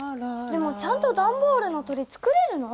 でもちゃんとだんボールの鳥つくれるの？